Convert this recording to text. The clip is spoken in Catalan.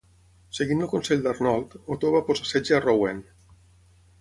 Seguint el consell d'Arnold, Otó va posar setge a Rouen.